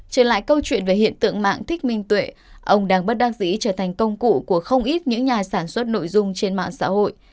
trở lại câu chuyện về hiện tượng mạng thích minh tuệ ông đang bất đắc dĩ trở thành công cụ của không ít những nhà sản xuất nội dung trên mạng xã hội